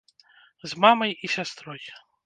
З мамай і сястрой.